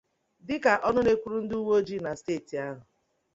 Dịka ọnụ na-ekwuru ndị uweojii na steeti ahụ